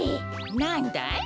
なんだい？